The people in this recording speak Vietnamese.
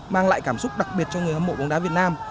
mang lại cảm xúc đặc biệt cho người hâm mộ bóng đá việt nam